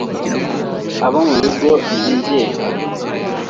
abo mu bigo byigenga